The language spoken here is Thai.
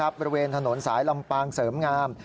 บริเวณถนนสายลำปางเสริมงาม